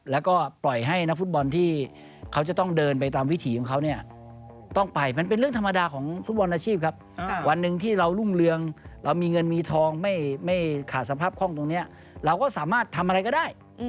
แล้วก็ปล่อยให้นักฟุตบอลที่เขาจะต้องเดินไปตามวิถีของเขาเนี่ยต้องไปมันเป็นเรื่องธรรมดาของฟุตบอลอาชีพครับวันหนึ่งที่เรารุ่งเรืองเรามีเงินมีทองไม่ขาดสภาพคล่องตรงนี้เราก็สามารถทำอะไรก็ได้